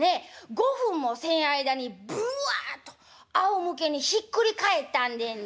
５分もせん間にブワッとあおむけにひっくり返ったんでんねん。